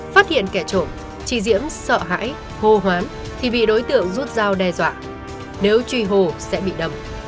phát hiện kẻ trộm chị diễm sợ hãi hô hoán thì bị đối tượng rút dao đe dọa nếu truy hồ sẽ bị đâm